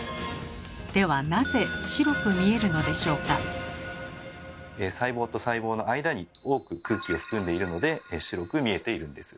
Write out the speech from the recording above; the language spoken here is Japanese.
では細胞と細胞の間に多く空気を含んでいるので白く見えているんです。